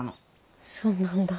そうなんだ。